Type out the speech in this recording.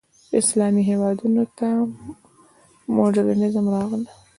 اسلامي هېوادونو ته مډرنیزم راغی.